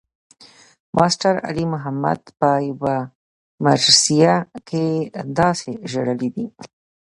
ماسټر علي محمد پۀ يو مرثيه کښې داسې ژړلے دے